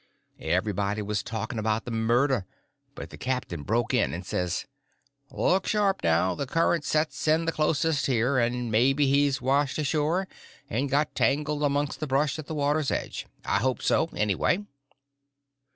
Everybody was talking about the murder, but the captain broke in and says: "Look sharp, now; the current sets in the closest here, and maybe he's washed ashore and got tangled amongst the brush at the water's edge. I hope so, anyway."